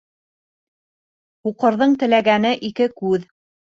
Һуҡырҙың теләгәне ике күҙ.